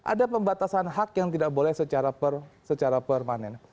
ada pembatasan hak yang tidak boleh secara permanen